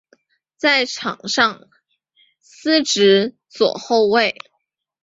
在场上司职左后卫。